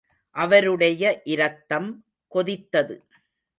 அவருடைய இரத்தம் கொதித்தது.